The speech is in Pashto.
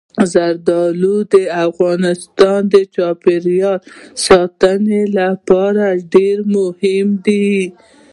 زردالو د افغانستان د چاپیریال ساتنې لپاره ډېر مهم دي.